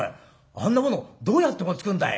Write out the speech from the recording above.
あんなものどうやって持ってくんだい」。